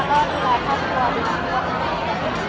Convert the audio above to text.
มันเกิดอะไรไหมไม่ได้ไหม